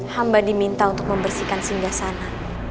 hamba diminta untuk membersihkan singgah sana